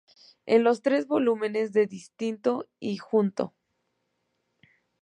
En los tres volúmenes de "Distinto y junto.